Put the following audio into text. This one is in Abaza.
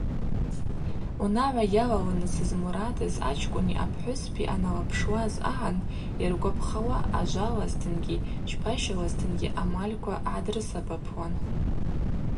Унагӏва йалалныс змурадыз ачкӏвыни апхӏвыспи аналапшуаз агӏан йыргвапхауа ажвалазтынгьи чпащалазтынгьи амальква гӏадрысабапуан.